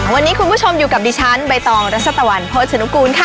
วันนี้คุณผู้ชมอยู่กับดิฉันใบตองรัชตะวันโภชนุกูลค่ะ